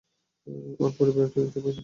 ওর পরিবার এটা দেখতে পায়নি।